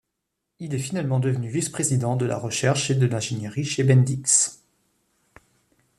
Il est finalement devenu vice-président de la recherche et de l'ingénierie chez Bendix.